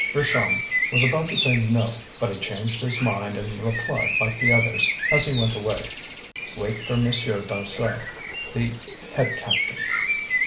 Richomme was about to say no, but he changed his mind and replied like the others, as he went away: "Wait for Monsieur Dansaert, the head captain."